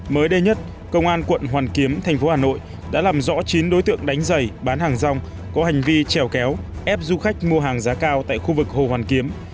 mới đây nhất công an quận hoàn kiếm thành phố hà nội đã làm rõ chín đối tượng đánh giày bán hàng rong có hành vi trèo kéo ép du khách mua hàng giá cao tại khu vực hồ hoàn kiếm